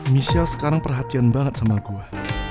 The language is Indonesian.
michelle sekarang perhatian banget sama gue